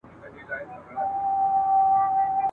دا تر پښو لاندي قبرونه ,